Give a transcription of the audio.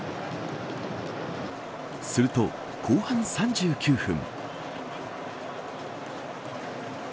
すると後半３９分。